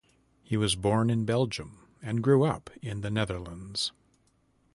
He was born in Belgium and grew up in the Netherlands.